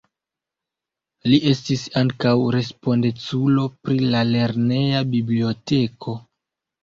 Li estis ankaŭ respondeculo pri la lerneja biblioteko.